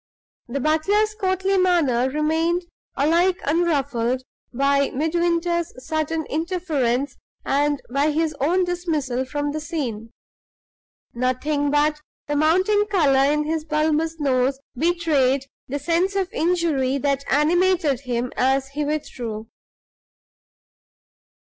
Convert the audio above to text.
The butler's courtly manner remained alike unruffled by Midwinter's sudden interference and by his own dismissal from the scene. Nothing but the mounting color in his bulbous nose betrayed the sense of injury that animated him as he withdrew.